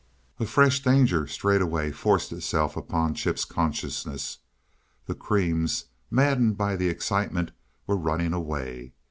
A fresh danger straightway forced itself upon Chip's consciousness. The creams, maddened by the excitement, were running away.